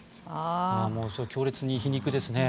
強烈に皮肉ですね。